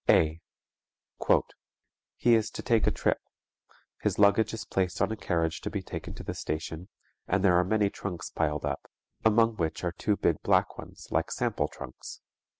(a). "_He is to take a trip, his luggage is placed on a carriage to be taken to the station, and there are many trunks piled up, among which are two big black ones like sample trunks.